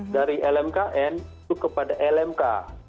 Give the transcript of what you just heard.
dari lmkn itu kepada lmk